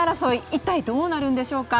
一体どうなるんでしょうか。